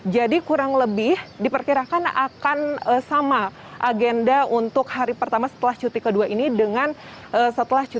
jadi kurang lebih diperkirakan akan sama agenda untuk hari pertama setelah cuti kedua ini dengan anggaran perubahan tahun dua ribu dua puluh dua